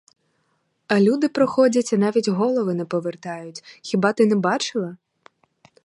А люди проходять і навіть голови не повертають, хіба ти не бачила?